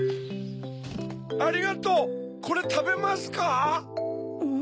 ありがとうこれたべますか？